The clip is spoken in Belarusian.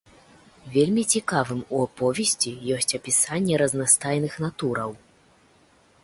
Вельмі цікавым у аповесці ёсць апісанне разнастайных натураў.